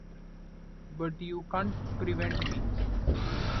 But you can’t prevent me.